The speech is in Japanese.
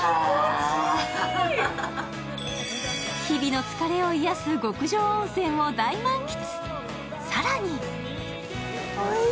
日々の疲れを癒やす極上温泉を大満喫。